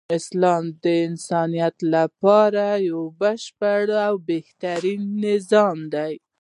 اسلام د انسانیت لپاره یو بشپړ او بهترین نظام دی .